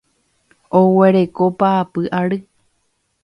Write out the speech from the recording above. Oguereko paapy ary.